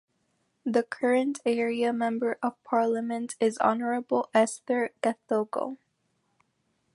The current area Member of Parliament is Honorable Esther Gathogo.